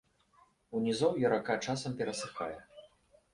У нізоўі рака часам перасыхае.